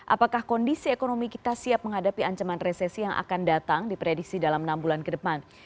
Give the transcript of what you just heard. apakah kondisi ekonomi kita siap menghadapi ancaman resesi yang akan datang diprediksi dalam enam bulan ke depan